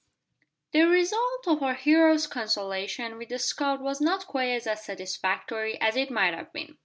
The result of our hero's consultation with the scout was not quite as satisfactory as it might have been.